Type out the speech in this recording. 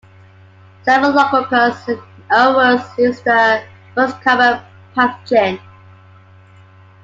Staphylococcus aureus is the most common pathogen.